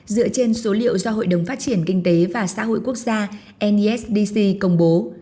dựa trên số liệu do hội đồng phát triển kinh tế và xã hội quốc gia nisdc công bố